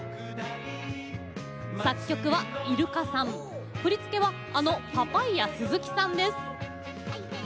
作曲はイルカさん振り付けはあのパパイヤ鈴木さんです。